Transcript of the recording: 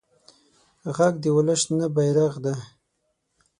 غږ د ولس شنه بېرغ دی